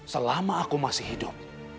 selama aku masih hidup